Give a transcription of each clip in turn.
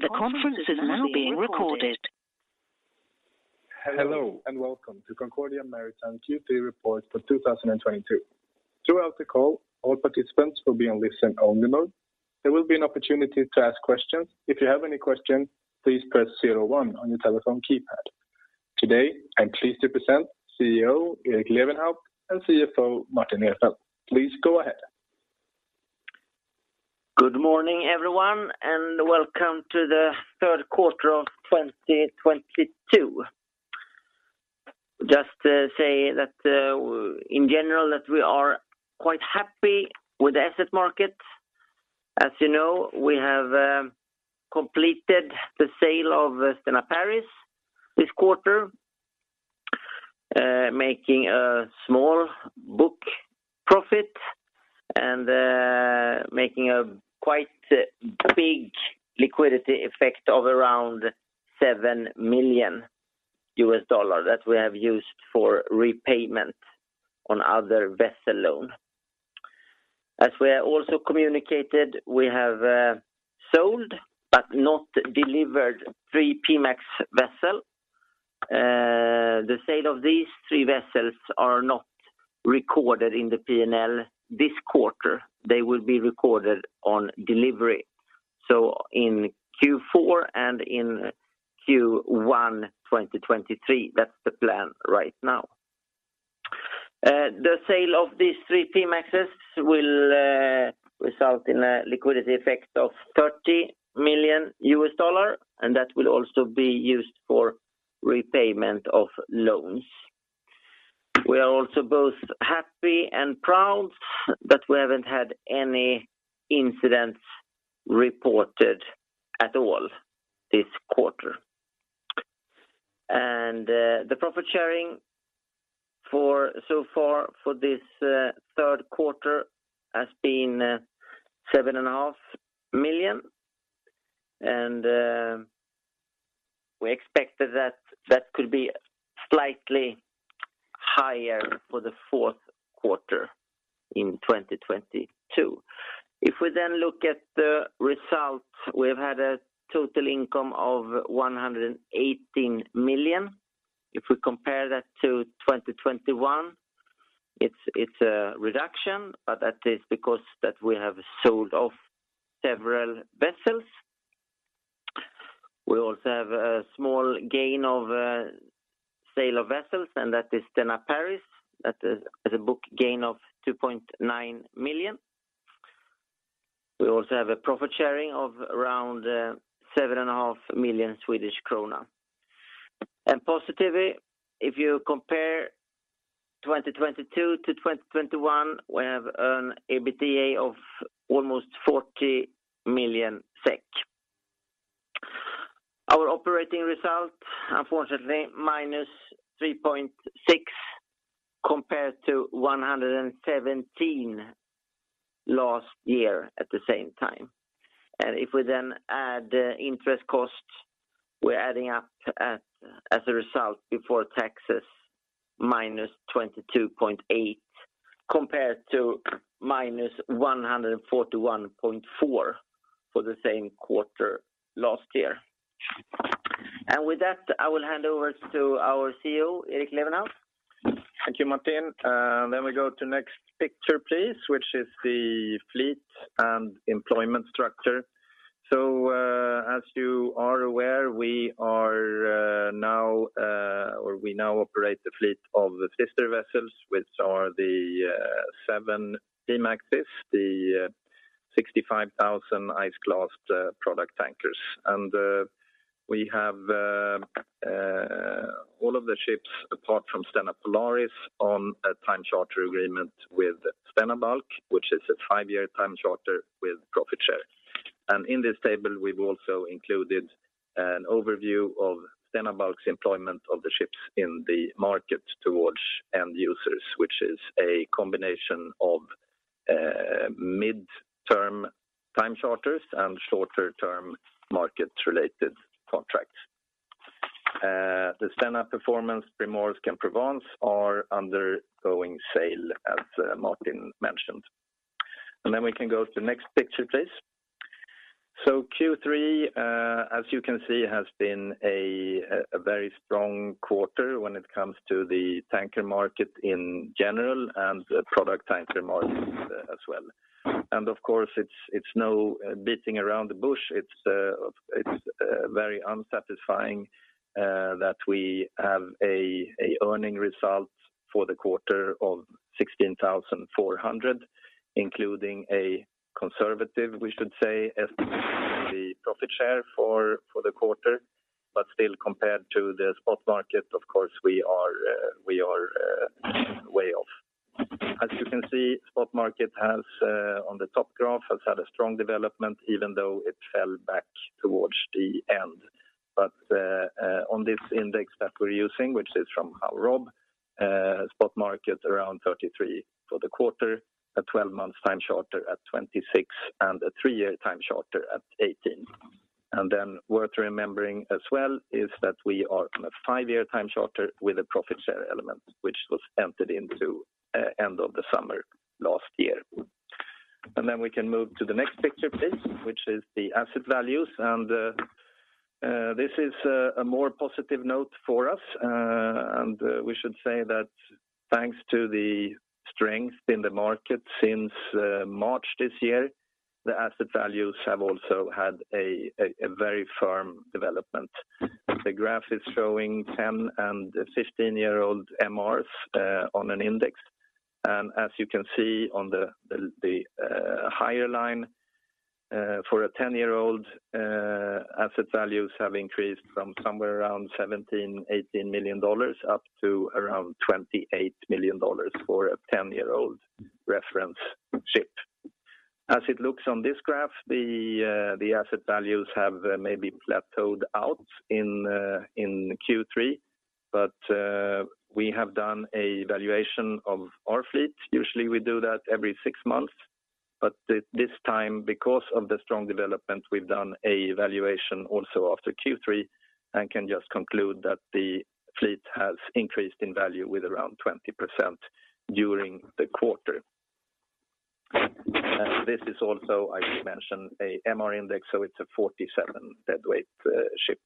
The conference is now being recorded. Hello, and welcome to Concordia Maritime Q3 report for 2022. Throughout the call, all participants will be on listen only mode. There will be an opportunity to ask questions. If you have any questions, please press zero one on your telephone keypad. Today, I'm pleased to present CEO Erik Lewenhaupt and CFO Martin Nerfeldt. Please go ahead. Good morning, everyone, and welcome to the 3rd quarter of 2022. Just to say that, in general, that we are quite happy with the asset market. As you know, we have completed the sale of Stena Paris this quarter, making a small book profit and, making a quite big liquidity effect of around $7 million that we have used for repayment on other vessel loan. As we have also communicated, we have sold but not delivered three P-MAX vessel. The sale of these three vessels are not recorded in the P&L this quarter. They will be recorded on delivery. In Q4 and in Q1 2023, that's the plan right now. The sale of these three P-MAXs will result in a liquidity effect of $30 million, and that will also be used for repayment of loans. We are also both happy and proud that we haven't had any incidents reported at all this quarter. The profit sharing for so far for this 3rd quarter has been seven and a half million SEK. We expect that could be slightly higher for the 4th quarter in 2022. If we then look at the results, we've had a total income of 118 million. If we compare that to 2021, it's a reduction, but that is because we have sold off several vessels. We also have a small gain of sale of vessels, and that is Stena Paris. That has a book gain of 2.9 million. We also have a profit sharing of around seven and a half million Swedish krona. Positively, if you compare 2022-2021, we have an EBITDA of almost 40 million SEK. Our operating result, unfortunately, minus 3.6 million SEK compared to 117 million SEK last year at the same time. If we then add interest costs, we're adding up to, as a result before taxes, minus 22.8 million SEK compared to minus 141.4 million SEK for the same quarter last year. With that, I will hand over to our CEO, Erik Lewenhaupt. Thank you, Martin. We go to next picture, please, which is the fleet and employment structure. As you are aware, we now operate the fleet of the sister vessels, which are the seven P-MAXs, the 65,000 ice-class product tankers. We have all of the ships, apart from Stena Polaris, on a time charter agreement with Stena Bulk, which is a five-year time charter with profit share. In this table, we've also included an overview of Stena Bulk's employment of the ships in the market towards end users, which is a combination of mid-term time charters and shorter-term market-related contracts. The Stena Performance, Primorsk, and Provence are undergoing sale, as Martin mentioned. We can go to the next picture, please. Q3, as you can see, has been a very strong quarter when it comes to the tanker market in general and the product tanker market as well. Of course, it's no beating around the bush. It's very unsatisfying that we have an earnings result for the quarter of 16,400, including a conservative, we should say, estimate of the profit share for the quarter. Still, compared to the spot market, of course, we are way off. As you can see, spot market has, on the top graph, had a strong development even though it fell back towards the end. On this index that we're using, which is from Clarksons, spot market around 33 for the quarter, a 12-month time charter at 26, and a three-year time charter at 18. Worth remembering as well is that we are on a five-year time charter with a profit share element, which was entered into end of the summer last year. We can move to the next picture, please, which is the asset values. This is a more positive note for us. We should say that thanks to the strength in the market since March this year, the asset values have also had a very firm development. The graph is showing 10 and 15-year-old MRs on an index. As you can see on the higher line, for a 10-year old asset values have increased from somewhere around $17 million, $18 million up to around $28 million for a 10-year old reference ship. As it looks on this graph, the asset values have maybe plateaued out in Q3. We have done a valuation of our fleet. Usually, we do that every six months. This time, because of the strong development, we've done a valuation also after Q3 and can just conclude that the fleet has increased in value with around 20% during the quarter. This is also, I should mention, a MR index, so it's a 47 deadweight ship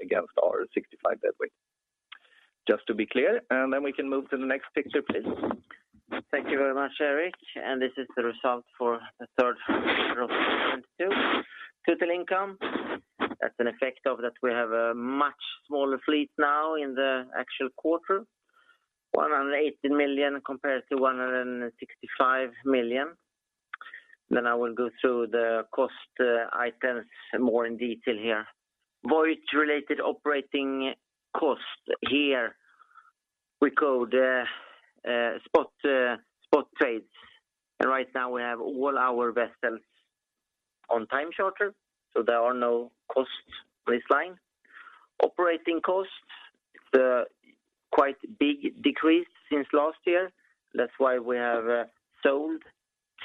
against our 65 deadweight. Just to be clear, then we can move to the next picture, please. Thank you very much, Erik. This is the result for the 3rd quarter of 2022. Total income, that's an effect of that we have a much smaller fleet now in the actual quarter, 180 million compared to 165 million. I will go through the cost items more in detail here. Voyage related operating costs. Here we code spot trades. Right now we have all our vessels on time charter, so there are no costs for this line. Operating costs, the quite big decrease since last year. That's why we have sold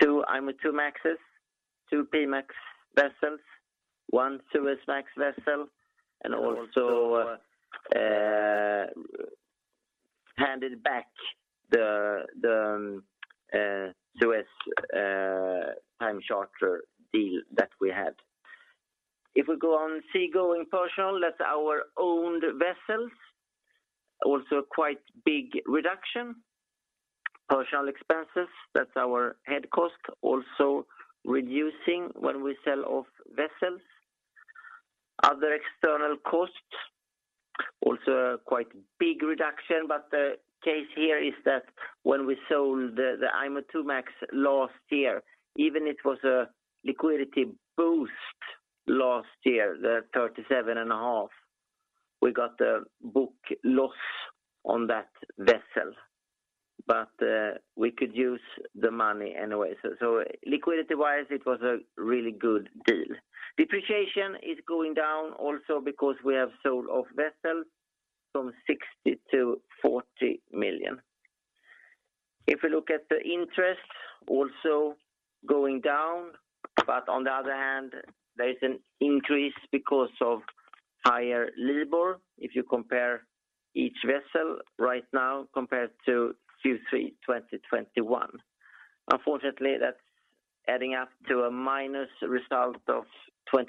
two P-MAX vessels, one Suezmax vessel, and also handed back the Suezmax time charter deal that we had. If we go on seagoing personnel, that's our owned vessels, also quite big reduction. Personnel expenses, that's our head cost, also reducing when we sell off vessels. Other external costs, also quite big reduction. The case here is that when we sold the IMOIIMAX last year, even it was a liquidity boost last year, the 37.5 million, we got the book loss on that vessel. We could use the money anyway. So liquidity-wise, it was a really good deal. Depreciation is going down also because we have sold off vessels from 60 million to 40 million. If we look at the interest also going down, but on the other hand, there is an increase because of higher LIBOR. If you compare each vessel right now compared to Q3 2021. Unfortunately, that's adding up to a minus result of 22.8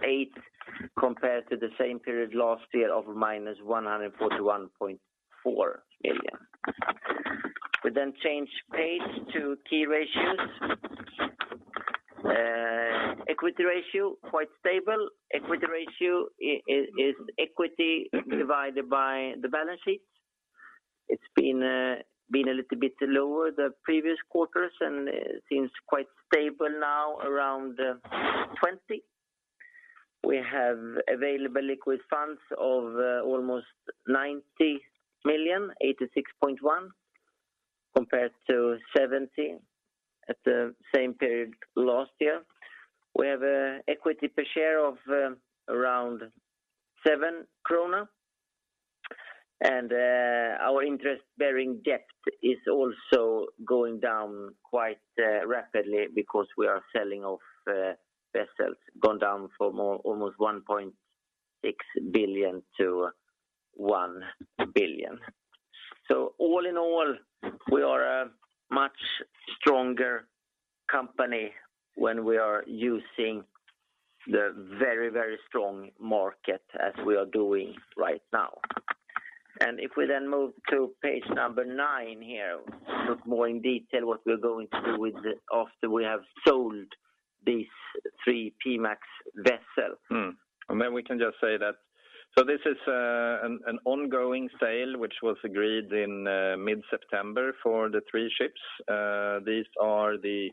million compared to the same period last year of minus 141.4 million. We change page to key ratios. Equity ratio, quite stable. Equity ratio is equity divided by the balance sheets. It's been a little bit lower the previous quarters and seems quite stable now around 20%. We have available liquid funds of almost 90 million, 86.1 million, compared to 70 at the same period last year. We have an equity per share of around 7 krona. Our interest-bearing debt is also going down quite rapidly because we are selling off vessels. Gone down from almost 1.6 billion to 1 billion. All in all, we are a much stronger company when we are using the very, very strong market as we are doing right now. If we then move to page nine here, go into more detail what we're going to do with the proceeds after we have sold these three P-MAX vessels. We can just say that this is an ongoing sale which was agreed in mid-September for the three ships. These are the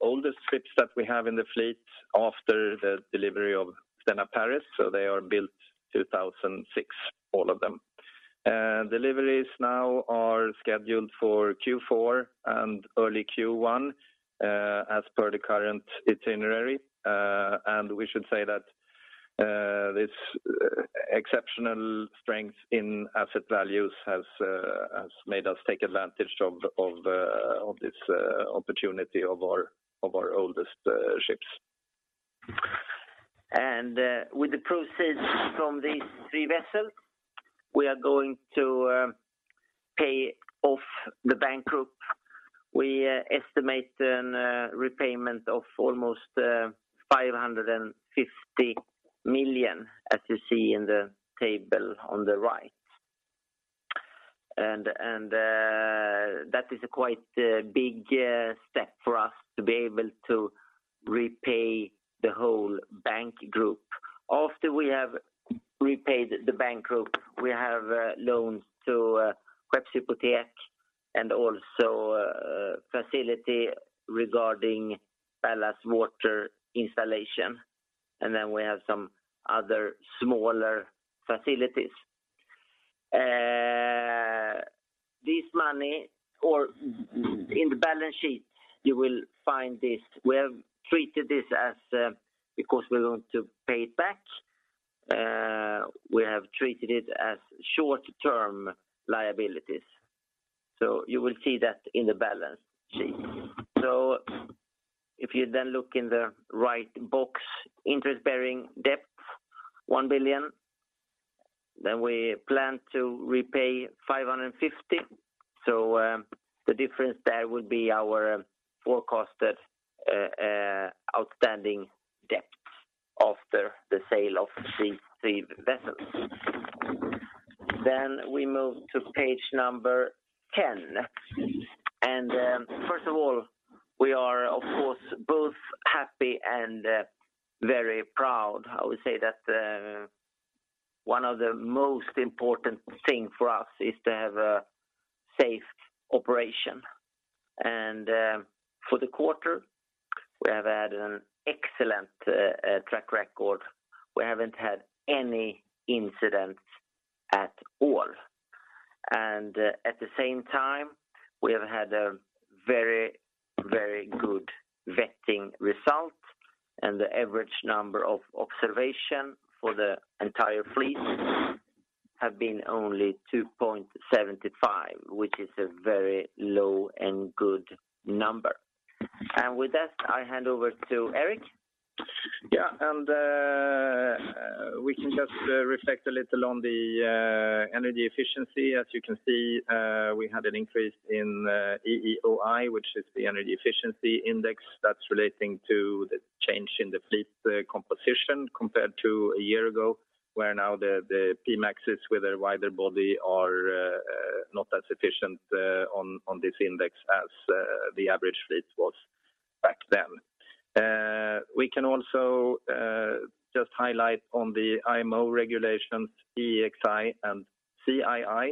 oldest ships that we have in the fleet after the delivery of Stena Paris, so they are built 2006, all of them. Deliveries now are scheduled for Q4 and early Q1, as per the current itinerary. We should say that this exceptional strength in asset values has made us take advantage of this opportunity of our oldest ships. With the proceeds from these three vessels, we are going to pay off the bank group. We estimate a repayment of almost 550 million as you see in the table on the right. That is a quite big step for us to be able to repay the whole bank group. After we have repaid the bank group, we have loans to Svenska Skeppshypotek and also facility regarding ballast water installation. Then we have some other smaller facilities. This money or in the balance sheet, you will find this. We have treated this as, because we want to pay it back, we have treated it as short-term liabilities. You will see that in the balance sheet. If you then look in the right box, interest-bearing debt, $1 billion, then we plan to repay $550 million. The difference there would be our forecasted outstanding debt after the sale of these three vessels. We move to page number 10. First of all, we are of course both happy and very proud. I would say that one of the most important thing for us is to have a safe operation. For the quarter, we have had an excellent track record. We haven't had any incidents at all. At the same time, we have had a very, very good vetting result, and the average number of observation for the entire fleet have been only 2.75, which is a very low and good number. With that, I hand over to Erik. Yeah. We can just reflect a little on the energy efficiency. As you can see, we had an increase in EEOI, which is the energy efficiency index that's relating to the change in the fleet composition compared to a year ago, where now the P-MAXes with a wider body are not as efficient on this index as the average fleet was back then. We can also just highlight on the IMO regulations, EEXI and CII,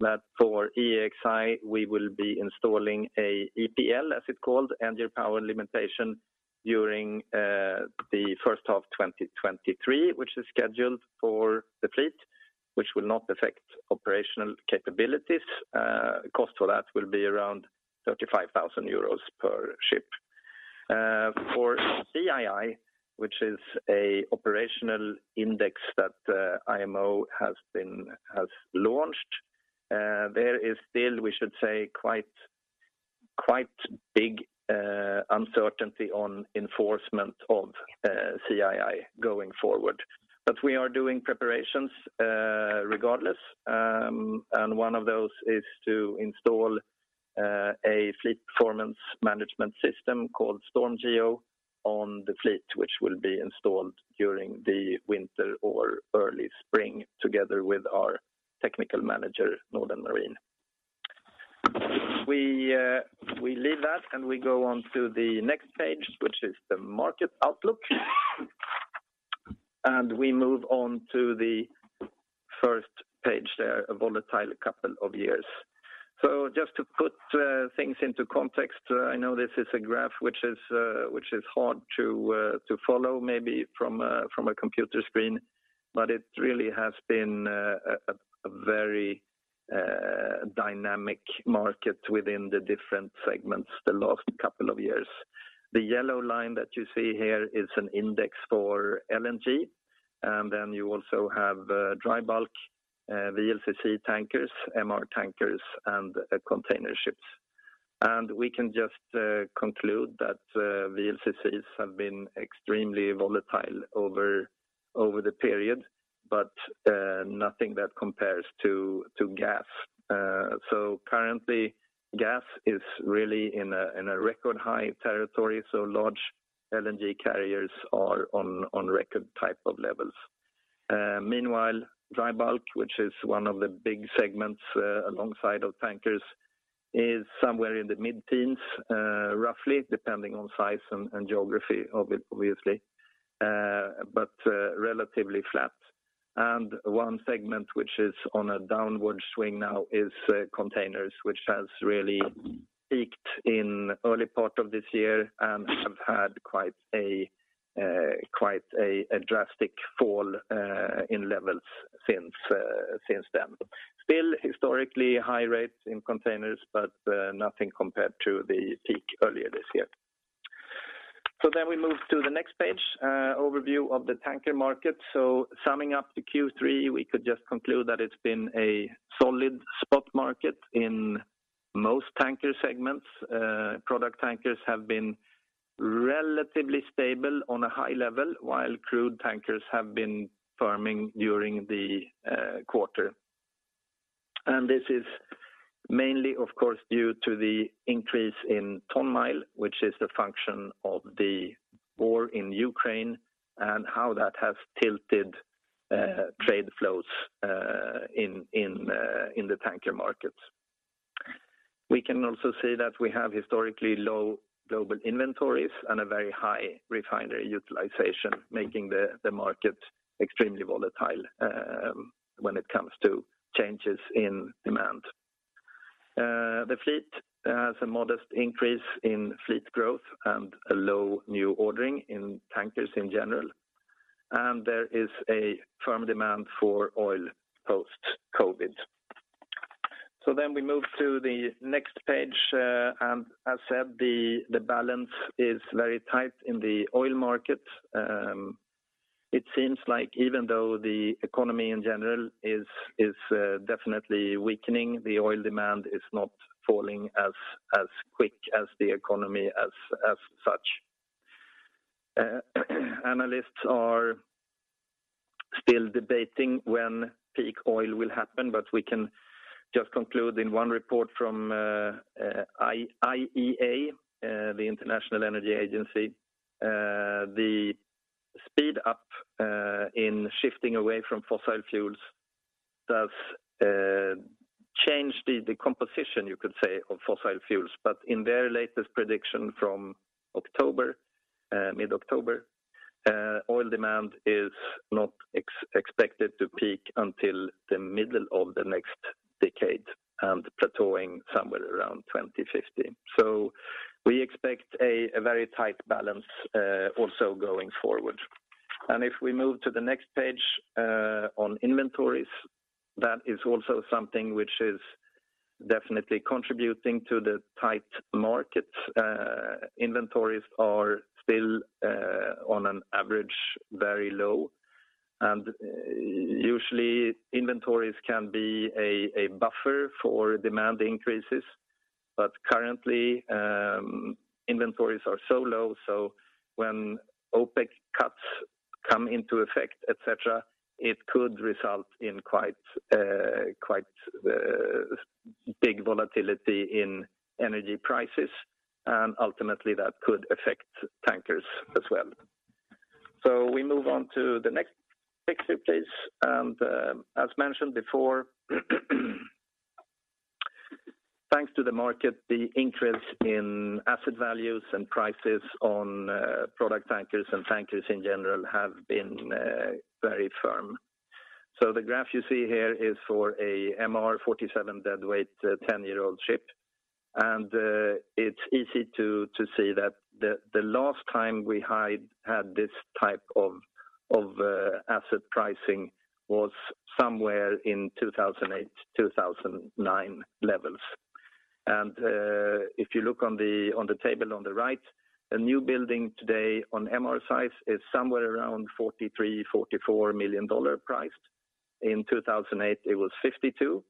that for EEXI, we will be installing a EPL, as it's called, engine power limitation, during the first half 2023, which is scheduled for the fleet, which will not affect operational capabilities. Cost for that will be around 35 thousand euros per ship. For CII, which is an operational index that IMO has launched, there is still, we should say, quite big uncertainty on enforcement of CII going forward. We are doing preparations regardless, and one of those is to install a fleet performance management system called StormGeo on the fleet, which will be installed during the winter or early spring together with our technical manager, Northern Marine. We leave that, and we go on to the next page, which is the market outlook. We move on to the first page there, a volatile couple of years. Just to put things into context, I know this is a graph which is hard to follow maybe from a computer screen, but it really has been a very dynamic market within the different segments the last couple of years. The yellow line that you see here is an index for LNG. Then you also have dry bulk, VLCC tankers, MR tankers and container ships. We can just conclude that VLCCs have been extremely volatile over the period, but nothing that compares to gas. Currently, gas is really in a record high territory, so large LNG carriers are on record type of levels. Meanwhile, dry bulk, which is one of the big segments, alongside of tankers, is somewhere in the mid-teens, roughly, depending on size and geography of it, obviously, but relatively flat. One segment which is on a downward swing now is containers, which has really peaked in early part of this year and have had quite a drastic fall in levels since then. Still historically high rates in containers, but nothing compared to the peak earlier this year. We move to the next page, overview of the tanker market. Summing up the Q3, we could just conclude that it's been a solid spot market in most tanker segments. Product tankers have been relatively stable on a high level while crude tankers have been firming during the quarter. This is mainly, of course, due to the increase in ton-mile, which is the function of the war in Ukraine and how that has tilted trade flows in the tanker markets. We can also see that we have historically low global inventories and a very high refinery utilization, making the market extremely volatile when it comes to changes in demand. The fleet has a modest increase in fleet growth and a low new ordering in tankers in general. There is a firm demand for oil post-COVID. We move to the next page. As said, the balance is very tight in the oil market. It seems like even though the economy in general is definitely weakening, the oil demand is not falling as quick as the economy as such. Analysts are still debating when peak oil will happen, but we can just conclude in one report from IEA, the International Energy Agency, the speed up in shifting away from fossil fuels does change the composition, you could say, of fossil fuels. In their latest prediction from October, mid-October, oil demand is not expected to peak until the middle of the next decade and plateauing somewhere around 2050. We expect a very tight balance also going forward. If we move to the next page, on inventories, that is also something which is definitely contributing to the tight markets. Inventories are still on an average very low. Usually, inventories can be a buffer for demand increases. Currently, inventories are so low, so when OPEC cuts come into effect, et cetera, it could result in quite big volatility in energy prices, and ultimately, that could affect tankers as well. We move on to the next picture, please. As mentioned before, thanks to the market, the increase in asset values and prices on product tankers and tankers in general have been very firm. The graph you see here is for a MR 47 deadweight, 10-year-old ship. It's easy to see that the last time we had this type of asset pricing was somewhere in 2008, 2009 levels. If you look on the table on the right, a newbuilding today on MR size is somewhere around $43 million-$44 million priced. In 2008, it was 52.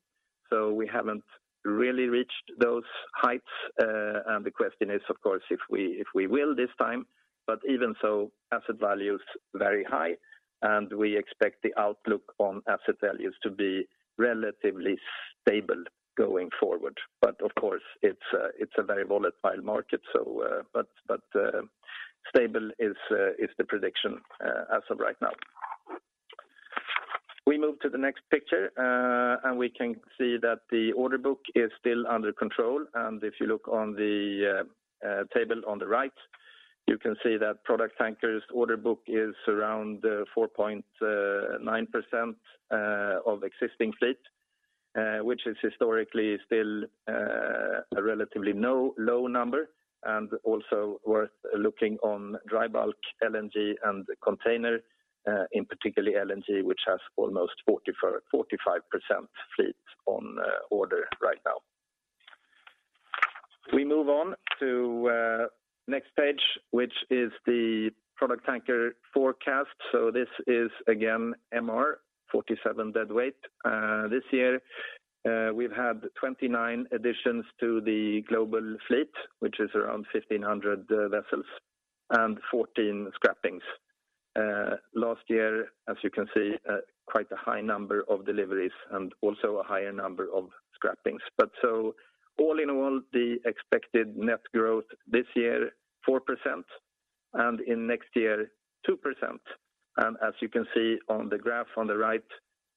We haven't really reached those heights. The question is, of course, if we will this time. Even so, asset value is very high, and we expect the outlook on asset values to be relatively stable going forward. Of course, it's a very volatile market, so stable is the prediction as of right now. We move to the next picture, and we can see that the order book is still under control. If you look on the table on the right, you can see that product tankers order book is around 4.9% of existing fleet, which is historically still a relatively low number, and also worth looking on dry bulk, LNG, and container, in particular LNG, which has almost 45% fleet on order right now. We move on to next page, which is the product tanker forecast. This is again MR 47 deadweight. This year we've had 29 additions to the global fleet, which is around 1,500 vessels and 14 scrappings. Last year, as you can see, quite a high number of deliveries and also a higher number of scrappings. All in all, the expected net growth this year 4% and in next year 2%. As you can see on the graph on the right,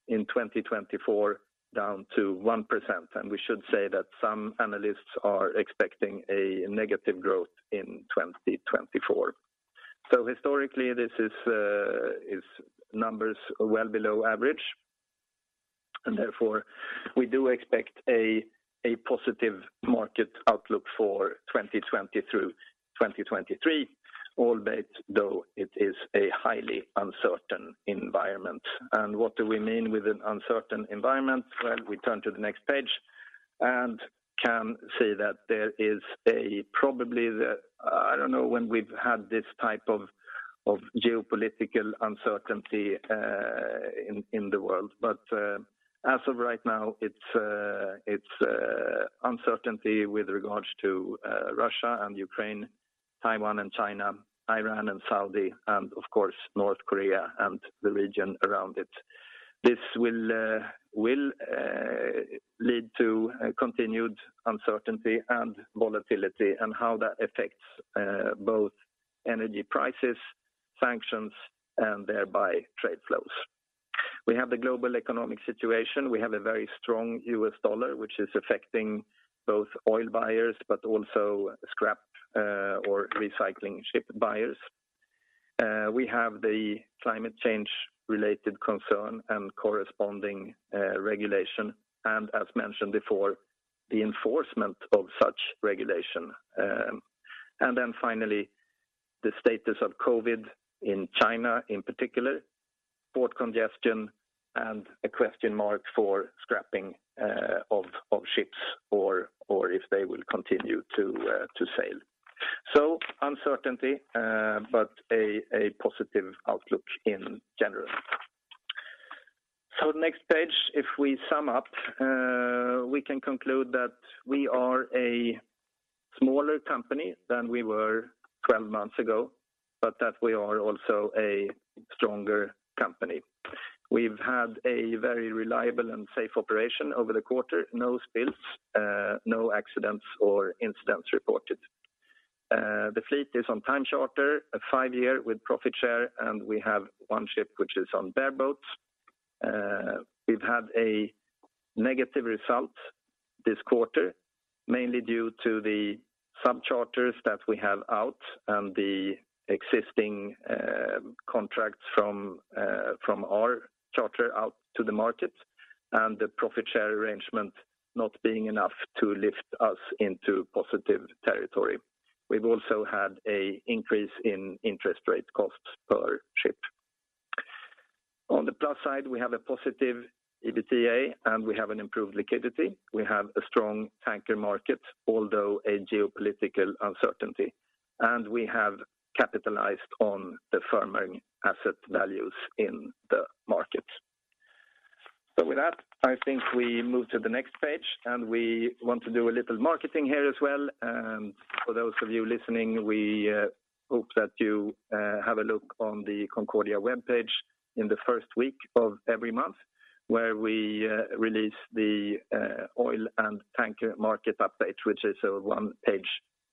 in 2024, down to 1%. We should say that some analysts are expecting a negative growth in 2024. Historically, this is numbers well below average. Therefore, we do expect a positive market outlook for 2020 through 2023, albeit though it is a highly uncertain environment. What do we mean with an uncertain environment? Well, we turn to the next page and can see that there is probably the uncertainty. I don't know when we've had this type of geopolitical uncertainty in the world. As of right now, it's uncertainty with regards to Russia and Ukraine, Taiwan and China, Iran and Saudi, and of course, North Korea and the region around it. This will lead to a continued uncertainty and volatility and how that affects both energy prices, sanctions, and thereby trade flows. We have the global economic situation. We have a very strong U.S. dollar, which is affecting both oil buyers, but also scrap or recycling ship buyers. We have the climate change related concern and corresponding regulation, and as mentioned before, the enforcement of such regulation. Then finally, the status of COVID in China, in particular, port congestion and a question mark for scrapping of ships or if they will continue to sail. Uncertainty, but a positive outlook in general. Next page, if we sum up, we can conclude that we are a smaller company than we were 12 months ago, but that we are also a stronger company. We've had a very reliable and safe operation over the quarter, no spills, no accidents or incidents reported. The fleet is on Time Charter, a five-year with Profit Share, and we have one ship which is on bareboat. We've had a negative result this quarter, mainly due to the subcharters that we have out and the existing contracts from our charter out to the market and the Profit Share arrangement not being enough to lift us into positive territory. We've also had an increase in interest rate costs per ship. On the plus side, we have a positive EBITDA, and we have an improved liquidity. We have a strong tanker market, although a geopolitical uncertainty, and we have capitalized on the firming asset values in the market. With that, I think we move to the next page, and we want to do a little marketing here as well. For those of you listening, we hope that you have a look on the Concordia webpage in the first week of every month, where we release the oil and tanker market update, which is a one-page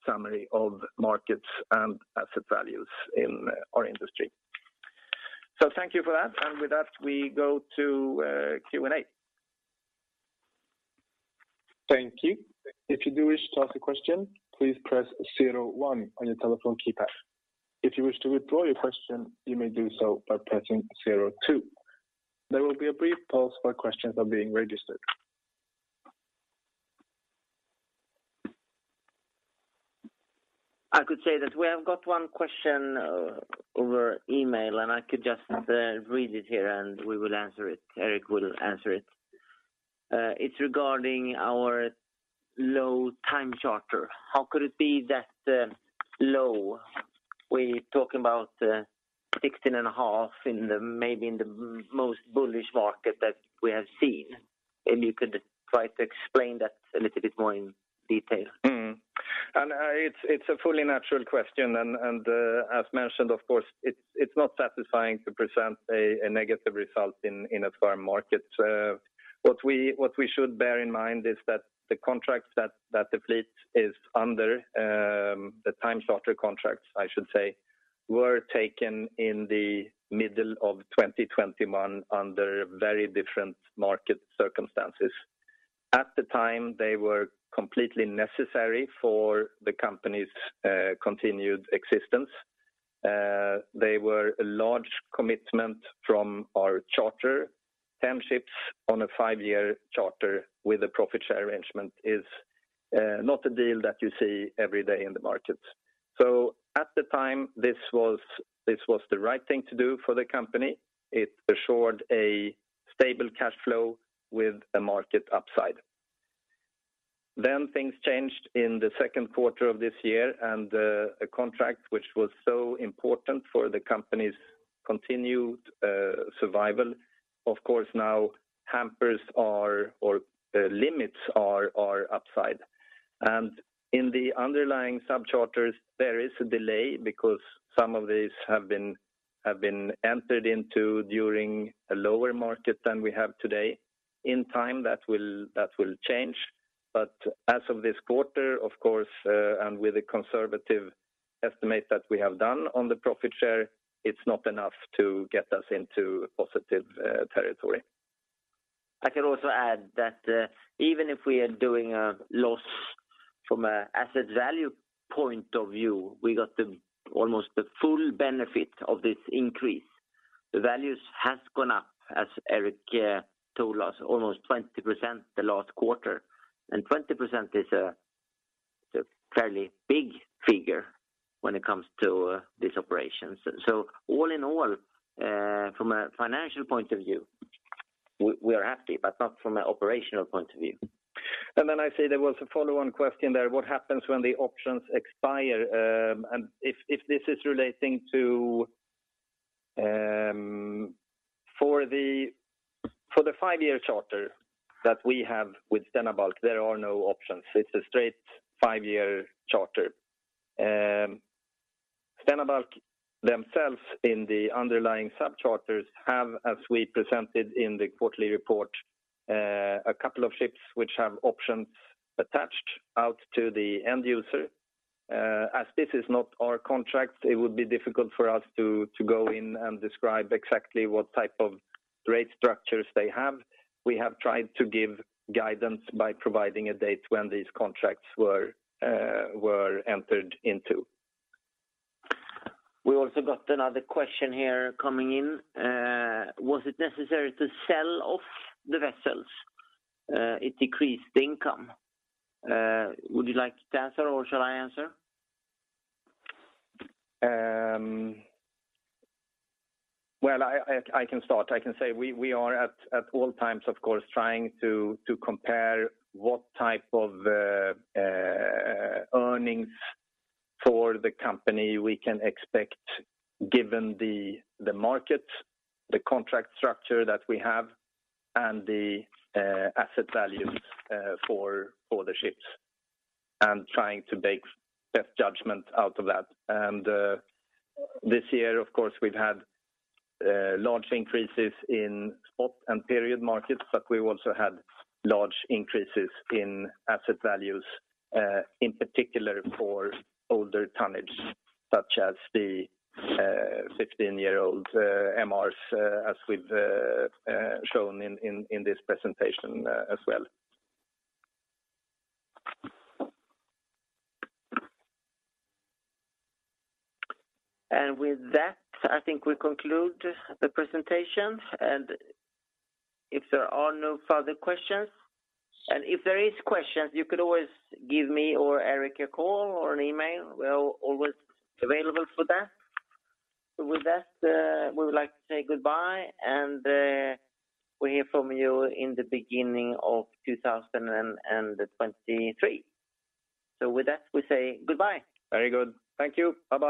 summary of markets and asset values in our industry. Thank you for that. With that, we go to Q&A. Thank you. If you do wish to ask a question, please press zero one on your telephone keypad. If you wish to withdraw your question, you may do so by pressing zero two. There will be a brief pause while questions are being registered. I could say that we have got one question over email, and I could just read it here, and we will answer it. Erik will answer it. It's regarding our low time charter. How could it be that low? We're talking about $16.5 in the most bullish market that we have seen. If you could try to explain that a little bit more in detail. It's a fully natural question. As mentioned, of course, it's not satisfying to present a negative result in a firm market. What we should bear in mind is that the contracts that the fleet is under, the time charter contracts, I should say, were taken in the middle of 2021 under very different market circumstances. At the time, they were completely necessary for the company's continued existence. They were a large commitment from our charter. 10 ships on a five-year charter with a profit share arrangement is not a deal that you see every day in the market. At the time, this was the right thing to do for the company. It assured a stable cash flow with a market upside. Things changed in the 2nd quarter of this year and a contract which was so important for the company's continued survival, of course, now limits our upside. In the underlying subcharters, there is a delay because some of these have been entered into during a lower market than we have today. In time, that will change. As of this quarter, of course, and with the conservative estimate that we have done on the profit share, it's not enough to get us into positive territory. I can also add that, even if we are doing a loss from a asset value point of view, we got almost the full benefit of this increase. The values has gone up, as Erik told us, almost 20% the last quarter. 20% is a fairly big figure when it comes to these operations. All in all, from a financial point of view. We are happy, but not from an operational point of view. I see there was a follow-on question there. What happens when the options expire? If this is relating to the five-year charter that we have with Stena Bulk, there are no options. It's a straight five-year charter. Stena Bulk themselves in the underlying subcharters have, as we presented in the quarterly report, a couple of ships which have options attached out to the end user. As this is not our contract, it would be difficult for us to go in and describe exactly what type of rate structures they have. We have tried to give guidance by providing a date when these contracts were entered into. We also got another question here coming in. Was it necessary to sell off the vessels? It decreased income. Would you like to answer or shall I answer? Well, I can start. I can say we are at all times, of course, trying to compare what type of earnings for the company we can expect given the market, the contract structure that we have and the asset values for the ships, and trying to make best judgment out of that. This year, of course, we've had large increases in spot and period markets, but we've also had large increases in asset values, in particular for older tonnage, such as the 15-year-old MRs, as we've shown in this presentation as well. With that, I think we conclude the presentation. If there are no further questions, and if there is questions, you could always give me or Erik a call or an email. We're always available for that. With that, we would like to say goodbye and, we'll hear from you in the beginning of 2023. With that, we say goodbye. Very good. Thank you. Bye-bye.